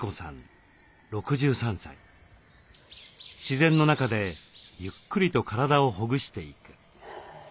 自然の中でゆっくりと体をほぐしていく。